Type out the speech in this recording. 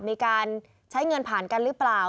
มีการใช้เงินผ่านกันหรือเปล่า